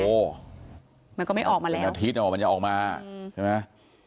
โอ้โหมันก็ไม่ออกมาแล้วอาทิตย์มันจะออกมาใช่ไหม